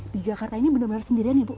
di jakarta ini benar benar sendirian ya bu